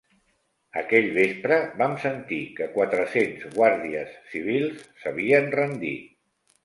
Aquell vespre vam sentir que quatre-cents guàrdies civils s'havien rendit